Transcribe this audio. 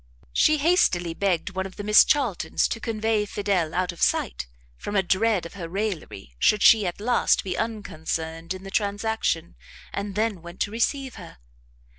She hastily begged one of the Miss Charltons to convey Fidel out of sight, from a dread of her raillery, should she, at last, be unconcerned in the transaction, and then went to receive her.